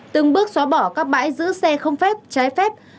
từng bước xóa bỏ các bãi giữ xe không phép trái phép